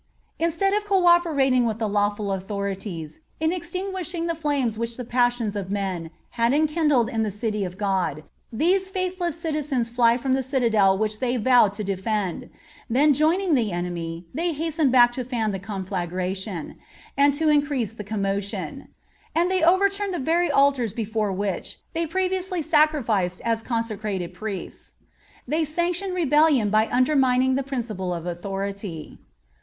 Instead of co operating with the lawful authorities in extinguishing the flames which the passions of men had enkindled in the city of God, these faithless citizens fly from the citadel which they had vowed to defend; then joining the enemy, they hasten back to fan the conflagration, and to increase the commotion. And they overturn the very altars before which they previously sacrificed as consecrated priests.(55) They sanctioned rebellion by undermining the principle of authority.